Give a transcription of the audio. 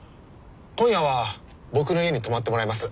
今夜は僕の家に泊まってもらいます。